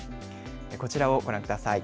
こちらをご覧ください。